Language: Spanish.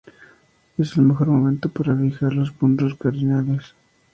Es el mejor momento para fijar los puntos cardinales.